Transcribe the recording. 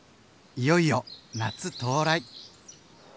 いよいよ夏到来。